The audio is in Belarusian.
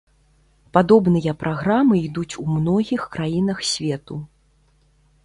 Падобныя праграмы ідуць у многіх краінах свету.